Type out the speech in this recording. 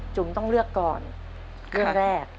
ต้องเลือกก่อนเรื่องแรก